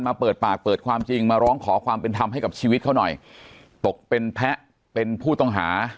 เปิดปากเปิดความจริงมาร้องขอความเป็นธรรมให้กับชีวิตเขาหน่อยตกเป็นแพ้เป็นผู้ต้องหา